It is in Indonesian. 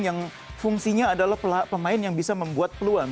yang fungsinya adalah pemain yang bisa membuat peluang